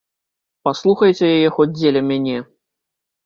Паслухайце яе хоць дзеля мяне!